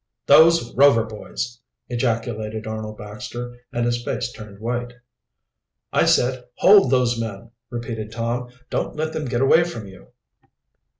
"Those Rover boys!" ejaculated Arnold Baxter, and his face turned white. "I said, Hold those men!" repeated Tom. "Don't let them get away from you."